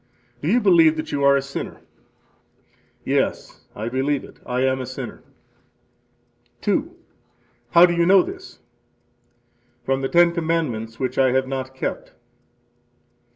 Do you believe that you are a sinner? Yes, I believe it. I am a sinner. 2. How do you know this? From the Ten Commandments, which I have not kept.